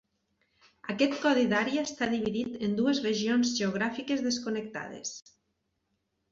Aquest codi d'àrea està dividit en dues regions geogràfiques desconnectades.